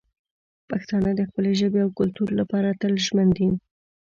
پښتانه د خپلې ژبې او کلتور لپاره تل ژمن دي.